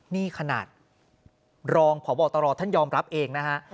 นี่ขนาดรองพบตรท่านยอมรับเองนะฮะ